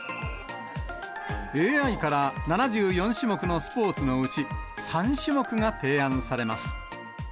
ＡＩから７４種目のスポーツのうち、３種目が提案されます。